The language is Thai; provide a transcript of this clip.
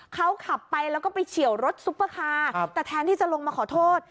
เขาขับไปแล้วก็ไปเฉียวรถซุปเปอร์คาร์แต่แทนที่จะลงมาขอโทษ